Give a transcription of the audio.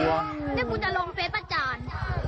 เด็กกวุจะลงเฟซปะจ้อน